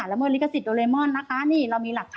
เป็นตำรวจพูดซะเป็นส่วนใหญ่หรือว่าเป็นผู้ชายที่มาทีหลังค่ะ